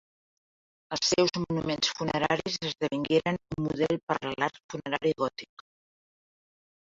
Els seus monuments funeraris esdevingueren un model per a l'art funerari gòtic.